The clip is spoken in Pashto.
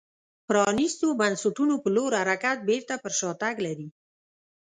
پرانیستو بنسټونو په لور حرکت بېرته پر شا تګ لري